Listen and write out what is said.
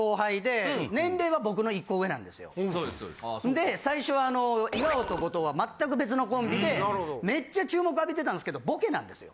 で最初は岩尾と後藤はまったく別のコンビでめっちゃ注目浴びてたんですけどボケなんですよ